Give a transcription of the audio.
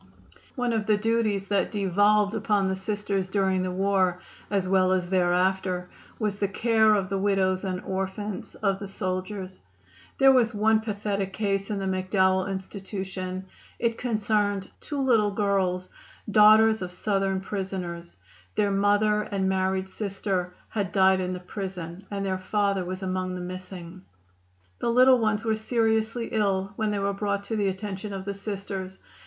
One of the duties that devolved upon the Sisters during the war, as well as thereafter, was the care of the widows and orphans of the soldiers. There was one pathetic case in the McDowell Institution. It concerned two little girls, daughters of Southern prisoners. Their mother and married sister had died in the prison, and their father was among the missing. The little ones were seriously ill when they were brought to the attention of the Sisters.